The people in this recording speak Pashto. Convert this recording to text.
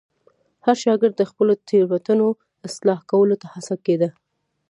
هر شاګرد د خپلو تېروتنو اصلاح کولو ته هڅول کېده.